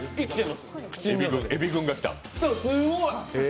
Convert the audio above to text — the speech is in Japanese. すんごい。